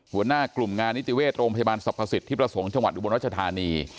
หัวหน้ากลุ่มงานิจิเวศโรงพยาบาลศัพท์ศัพท์ศิษฐ์ที่ประสงค์จังหวัดอุบันรัชธานี